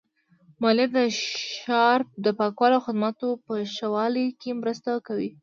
مالیه د ښار د پاکوالي او خدماتو په ښه والي کې مرسته کوي.